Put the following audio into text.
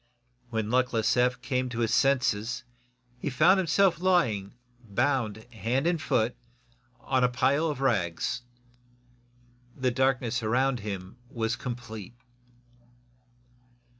When luckless Eph came to his senses he found himself lying, bound hand and foot, on a pile of rags. The darkness around him was complete.